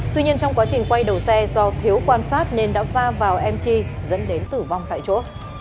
tuy nhiên trong quá trình quay đầu xe do thiếu quan sát nên đã va vào m chi dẫn đến tử vong tại chỗ